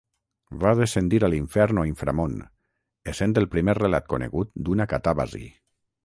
Va descendir a l'infern o inframón, essent el primer relat conegut d'una catàbasi.